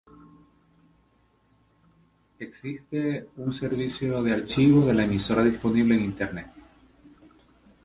Existe un servicio de archivo de la emisora disponible en Internet.